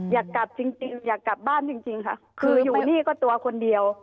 อยากกลับจริงอยากกลับบ้านจริงค่ะคืออยู่นี่ก็ตัวคนเดียว